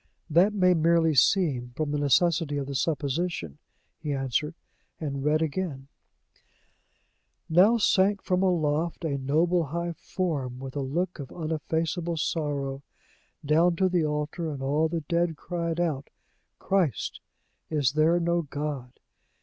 "That may merely seem, from the necessity of the supposition," he answered; and read again: "'Now sank from aloft a noble, high Form, with a look of uneffaceable sorrow, down to the Altar, and all the Dead cried out, "Christ! is there no God?"